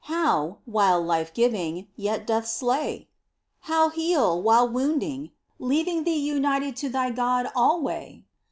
How, while life giving, yet doth slay ? How heal while wounding, leaving thee United to thy God alway